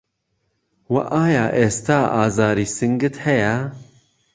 و ئایا ئێستا ئازاری سنگت هەیە؟